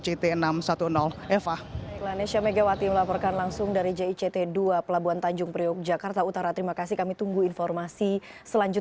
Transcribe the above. ketika ini juga sudah berlaku kita akan mencari penyelamatan dari kri banda aceh